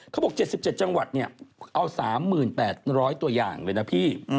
เขาบอก๗๗จังหวัดเนี่ยเอา๓๘๐๐ตัวอย่างเลยนะพี่